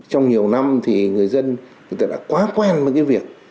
trong nhiều năm thì người dân đã quá quen với cái việc